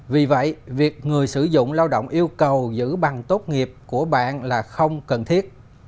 vì vậy việc người sử dụng lao động yêu cầu giữ bằng tốt nghiệp của bạn là không cần thiết